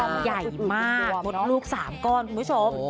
ท้องใหญ่มากมดลูก๓ก้อนคุณผู้ชมโอ้โฮ